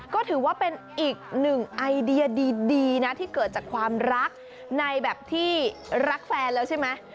ก็ถือว่าเป็นอีกหนึ่งไอเดียดีนะที่เกิดจากความรักในแบบที่รักแฟนแล้วใช่ไหม